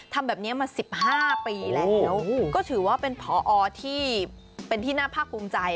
ทำแบบนี้มา๑๕ปีแล้วก็ถือว่าเป็นผอที่เป็นที่น่าภาคภูมิใจ